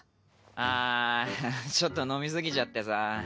ああちょっと飲み過ぎちゃってさ。